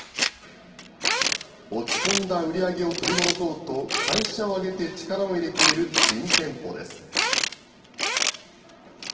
落ち込んだ売り上げを取り戻そうと、会社を挙げて力を入れている新店舗です。